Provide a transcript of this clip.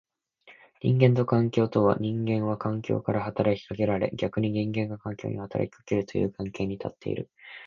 人間と環境とは、人間は環境から働きかけられ逆に人間が環境に働きかけるという関係に立っている。